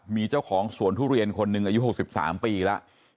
มีเจ้าของสวนทุเรียนคนหนึ่งอายุ๖๓ปีแล้ว